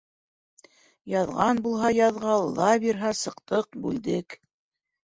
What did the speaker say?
Яҙған булһа, яҙға, алла бирһә, сыҡтыҡ — бүлдек.